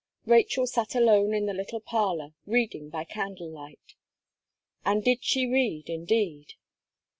Rachel sat alone in the little parlour, reading by candle light. And did she read, indeed!